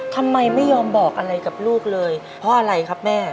ทำไมไม่ยอมบอกอะไรกับลูกเลยเพราะอะไรครับแม่